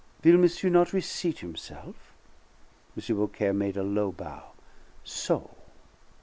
"Will monsieur not reseat himself?" M. Beaucaire made a low bow. "So.